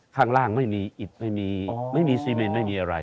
ข้างล่างไม่มีอิดไม่มีไม่มีซีเมนไม่มีอะไร